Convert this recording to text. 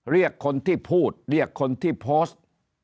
เรียกคนที่พูดเรียกคนที่โพสต์